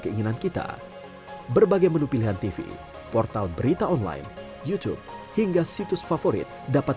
keinginan kita berbagai menu pilihan tv portal berita online youtube hingga situs favorit dapat